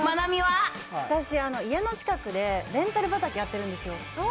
私、家の近くでレンタル畑やってるんですよ。